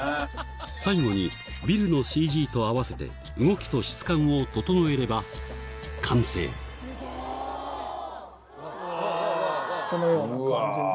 最後にビルのＣＧと合わせて動きと質感を整えればこのような感じに。